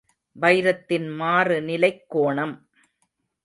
வைரத்தின் மாறுநிலைக் கோணம்